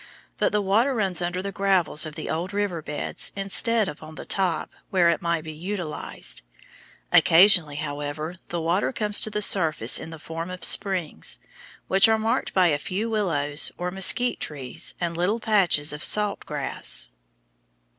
But the water runs under the gravels of the old river beds instead of on the top, where it might be utilized. Occasionally, however, the water comes to the surface in the form of springs, which are marked by a few willows or mesquite trees and little patches of salt grass.